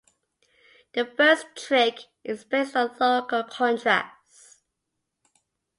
The first trick is based on local contrast.